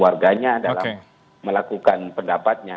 warganya dalam melakukan pendapatnya